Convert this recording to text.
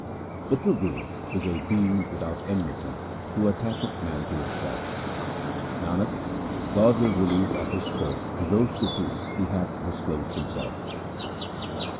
The true Guru is a being without enmity who attacheth man to himself. Nanak, God will release at His court those to whom He hath disclosed Himself.